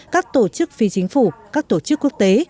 các tổ chức phi chính phủ các tổ chức quốc tế